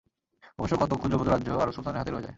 অবশ্য কতক ক্ষুদ্র ক্ষুদ্র রাজ্য আরব সুলতানদের হাতে রয়ে যায়।